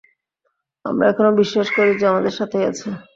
আমরা এখনও বিশ্বাস করি সে আমাদের সাথেই আছে।